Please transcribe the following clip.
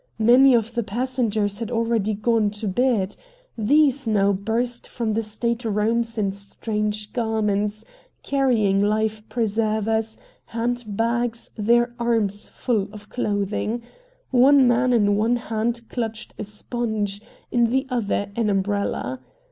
Many of the passengers had already gone to bed. These now burst from the state rooms in strange garments, carrying life preservers, hand bags, their arms full of clothing. One man in one hand clutched a sponge, in the other an umbrella.